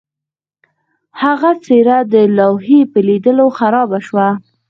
د هغه څیره د لوحې په لیدلو خرابه شوه